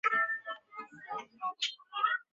琉球人的弥勒。